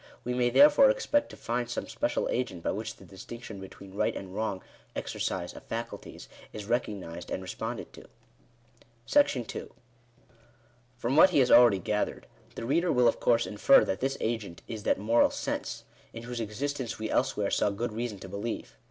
We may, therefore, expect to find some special agent by which I the distinction between right and wrong exercise of faculties is recognised and responded to. From what he has already gathered, the reader will of course \ infer that this agent is that Moral Sense, in whose existence we elsewhere saw good reason to believe.